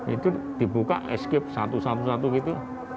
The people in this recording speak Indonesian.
itu dibuka escape satu satu gitu